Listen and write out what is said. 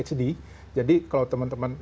sedih jadi kalau teman teman